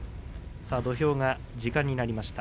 土俵が時間になりました。